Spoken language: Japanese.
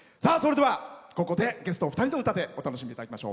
ここでゲストのお二人の歌でお楽しみいただきましょう。